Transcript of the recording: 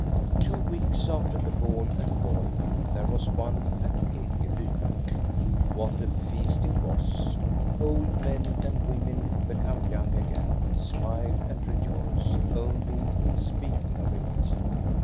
Two weeks after the ball at Borg there was one at Ekeby. What a feast it was ! Old men and women be come young again, smile and rejoice, only in speaking of it.